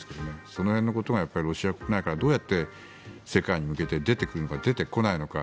その辺のことがロシア国内からどうやって世界に向けて出てくるのか出てこないのか。